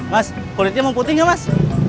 mas kulitnya mau putih gak mas